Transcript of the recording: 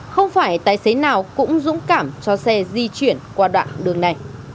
không phải tài xế nào cũng dũng cảm cho xe di chuyển qua đoạn đường này